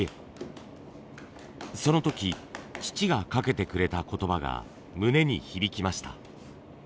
その時父がかけてくれた言葉が胸に響きました。